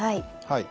はい。